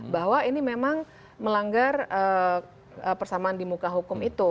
bahwa ini memang melanggar persamaan di muka hukum itu